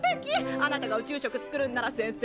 あなたが宇宙食作るんなら先生